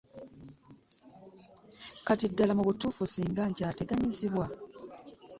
Kati ddala mu butuufu singa nkateganyizibwa .